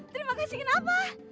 terima kasih kenapa